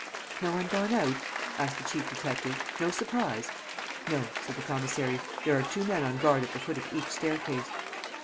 "No one gone out?" asked the chief detective. "No surprise?" "No," said the commissary. "There are two men on guard at the foot of each staircase."